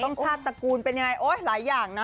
ชาติตระกูลเป็นยังไงโอ๊ยหลายอย่างนะ